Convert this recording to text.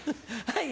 はい。